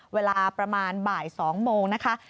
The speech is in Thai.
เวลาประมาณบ่าย๒โมงนะคะ